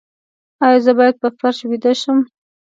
ایا زه باید په فرش ویده شم؟